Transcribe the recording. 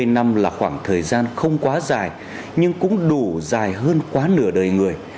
hai mươi năm là khoảng thời gian không quá dài nhưng cũng đủ dài hơn quá nửa đời người